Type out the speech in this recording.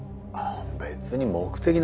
別に目的なんて。